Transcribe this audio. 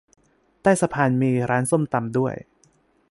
ใต้สะพานมีร้านส้มตำด้วย